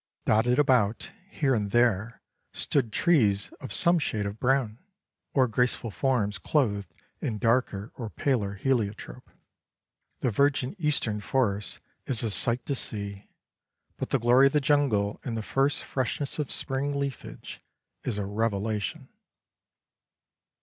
Dotted about, here and there, stood trees of some shade of brown, or graceful forms clothed in darker or paler heliotrope. The virgin Eastern forest is a sight to see, but the glory of the jungle in the first freshness of spring leafage is a revelation.